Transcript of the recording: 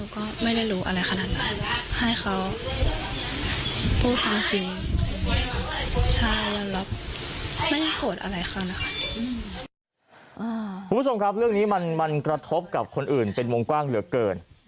คุณผู้ชมครับเรื่องนี้มันกระทบกับคนอื่นเป็นวงกว้างเหลือเกิน